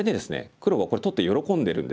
黒はこれ取って喜んでるんですけれども。